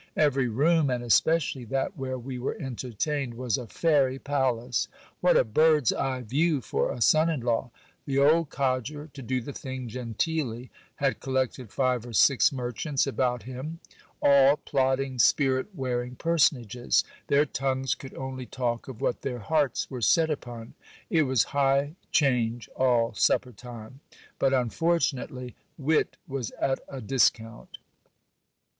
Every room, and especially that where we were entertained, was a fairy palace. What a bird's eye view for a son in law ! The old codger, to do the thing genteelly, had collected five or six merchants about him, all plodding spirit wearing personages. Their tongues could only talk of what their hearts were set upon ; it was high change all supper time ; but unfortunately wit was at a discount.